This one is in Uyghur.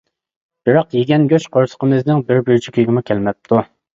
بىراق يېگەن گۆش قورسىقىمىزنىڭ بىر بۇرجىكىگىمۇ كەلمەپتۇ.